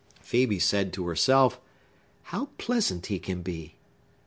Phœbe said to herself,—"How pleasant he can be!"